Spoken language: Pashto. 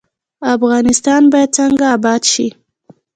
افغانستان باید څنګه اباد شي؟